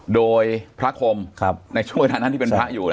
โดยพระคมในช่วงเวลานั้นที่เป็นพระอยู่